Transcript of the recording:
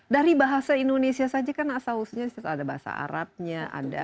dari bahasa indonesia saja kan asal usulnya ada bahasa arabnya